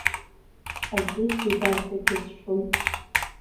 Аӡәы сибарҳәагьы сшәоит.